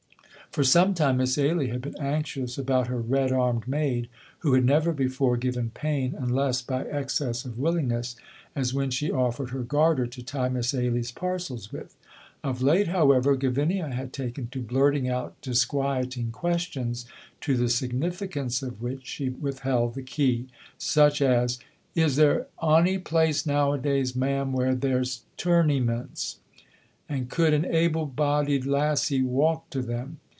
For some time Miss Ailie had been anxious about her red armed maid, who had never before given pain unless by excess of willingness, as when she offered her garter to tie Miss Ailie's parcels with. Of late, however, Gavinia had taken to blurting out disquieting questions, to the significance of which she withheld the key, such as "Is there ony place nowadays, ma'am, where there's tourniements? And could an able bodied lassie walk to them?